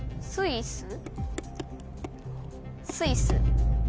スイス。